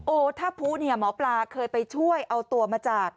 ท่าผู้เนี่ยหมอปลาเคยไปช่วยเอาตัวมาจาก